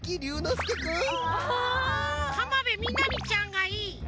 浜辺美波ちゃんがいい。